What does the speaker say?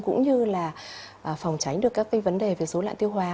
cũng như là phòng tránh được các cái vấn đề về số lạng tiêu hóa